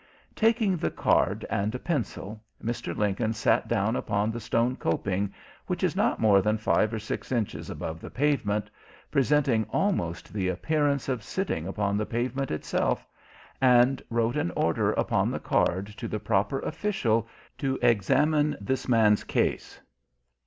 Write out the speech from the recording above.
Taking the card and a pencil, Mr. Lincoln sat down upon the stone coping, which is not more than five or six inches above the pavement, presenting almost the appearance of sitting upon the pavement itself, and wrote an order upon the card to the proper official to "examine this man's case."